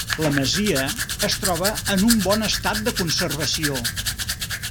La masia es troba en un bon estat de conservació.